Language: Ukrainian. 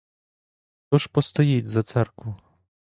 Хто ж постоїть за церкву?